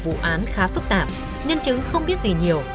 vụ án khá phức tạp nhân chứng không biết gì nhiều